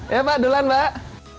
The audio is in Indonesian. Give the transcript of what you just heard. ya pak duluan pak